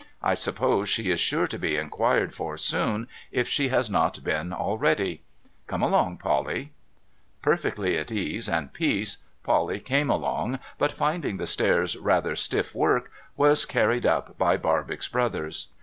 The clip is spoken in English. I suppose she is sure to be inquired for soon, if she has not been already. Come along, Polly.' Perfecdy at ease and peace, Polly came along, but, finding the stairs rather stiff work, was carried up by Barbox Brothers.